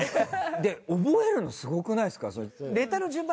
で覚えるのすごくないですか？